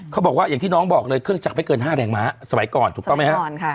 เขาบอกว่าอย่างที่น้องบอกเลยเครื่องจักรไม่เกิน๕แรงม้าสมัยก่อนถูกต้องไหมครับ